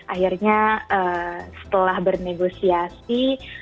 akhirnya setelah bernegosiasi